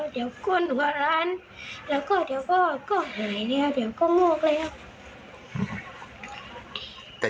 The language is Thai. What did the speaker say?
เดี๋ยวก้นหวานแล้วก็เดี๋ยวพ่อก็หายแล้วเดี๋ยวก็งอกแล้ว